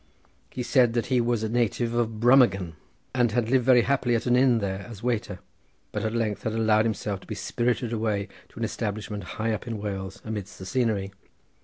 He said that he was a native of Brummagem, and had lived very happily at an inn there as waiter, but at length had allowed himself to be spirited away to an establishment high up in Wales amidst the scenery.